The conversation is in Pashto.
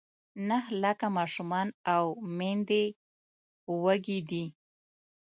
نهه لاکه ماشومان او میندې وږې دي.